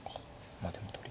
まあでも取り。